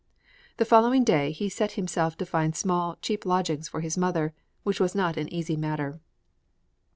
The following day he set himself to find small, cheap lodgings for his mother, which was not an easy matter.